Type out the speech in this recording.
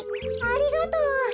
ありがとう。